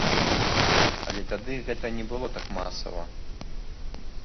Але тады гэта не было так масава.